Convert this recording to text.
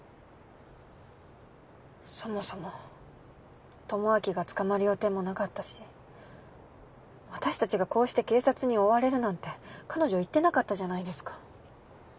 そもそも智明が捕まる予定もなかったし私たちがこうして警察に追われるなんて彼女言ってなかったじゃないですか。